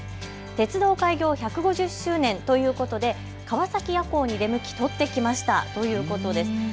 鉄道開業１５０周年ということで川崎矢向に出向き撮ってきましたということです。